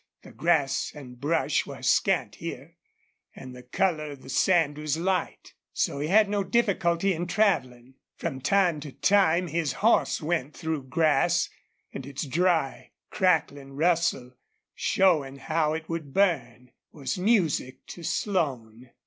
The grass and brush were scant here, and the color of the sand was light, so he had no difficulty in traveling. From time to time his horse went through grass, and its dry, crackling rustle, showing how it would burn, was music to Slone.